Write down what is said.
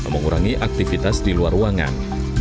mengurangi aktivitas di luar ruangan